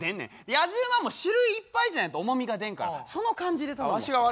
やじ馬も種類いっぱいじゃないと重みが出んからその感じで頼むわ。